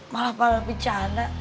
malah pada pincana